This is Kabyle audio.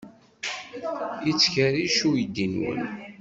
Yettkerric uydi-nwen?